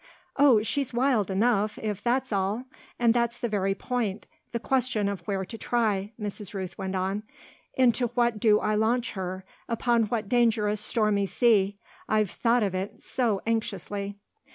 "Oh she's wild enough, if that's all! And that's the very point, the question of where to try," Mrs. Rooth went on. "Into what do I launch her upon what dangerous stormy sea? I've thought of it so anxiously."